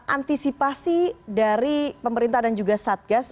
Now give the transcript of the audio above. antisipasi dari pemerintah dan juga satgas